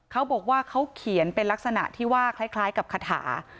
เขาบอกว่าเขาเขียนเป็นลักษณะที่ว่าคล้ายกับคาถา